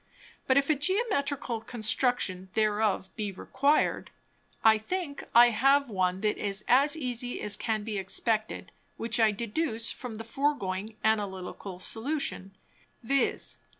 But if a Geometrical Construction thereof be required; I think I have one that is as easy as can be expected, which I deduce from the foregoing Analytical Solution, _viz.